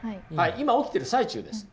今起きてる最中です。